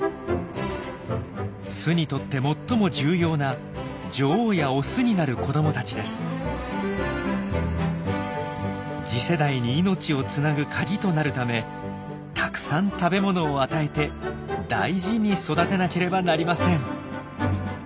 巣にとって最も重要な次世代に命をつなぐカギとなるためたくさん食べ物を与えて大事に育てなければなりません。